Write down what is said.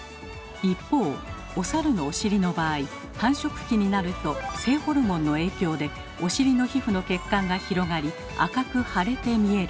一方お猿のお尻の場合繁殖期になると性ホルモンの影響でお尻の皮膚の血管が広がり赤く腫れて見える。